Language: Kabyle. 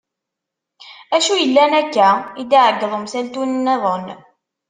Acu yellan akka? i d-iɛeggeḍ umsaltu niḍen.